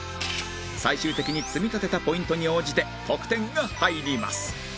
最終的に積み立てたポイントに応じて得点が入ります